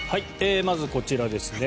まず、こちらですね。